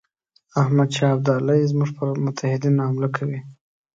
احمدشاه ابدالي زموږ پر متحدینو حمله کوي.